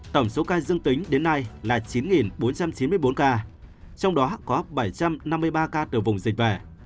tổng số ca dương tính đến nay là chín bốn trăm chín mươi bốn ca trong đó có bảy trăm năm mươi ba ca từ vùng dịch về